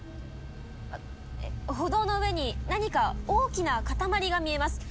歩道の上に何か大きな塊が見えます。